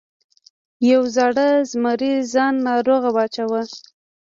یو زاړه زمري ځان ناروغ واچاوه.